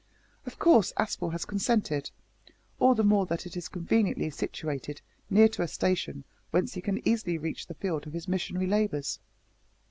Of course Aspel has consented all the more that it is conveniently situated near to a station whence he can easily reach the field of his missionary labours."